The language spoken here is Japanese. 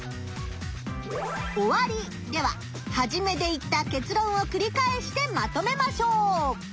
おわりでははじめで言った結論をくり返してまとめましょう！